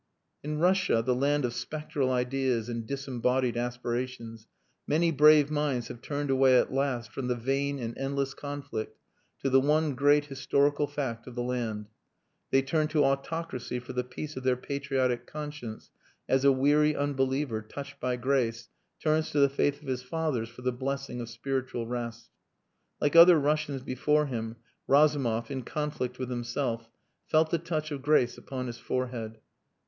In Russia, the land of spectral ideas and disembodied aspirations, many brave minds have turned away at last from the vain and endless conflict to the one great historical fact of the land. They turned to autocracy for the peace of their patriotic conscience as a weary unbeliever, touched by grace, turns to the faith of his fathers for the blessing of spiritual rest. Like other Russians before him, Razumov, in conflict with himself, felt the touch of grace upon his forehead.